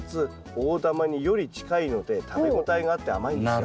大玉により近いので食べ応えがあって甘いんですよ。